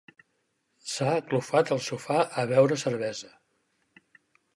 S'ha aclofat al sofà a beure cervesa.